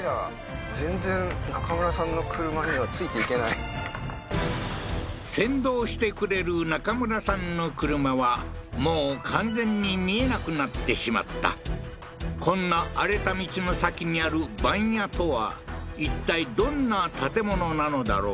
これ先導してくれる中村さんの車はもう完全に見えなくなってしまったこんな荒れた道の先にある番屋とはいったいどんな建物なのだろう？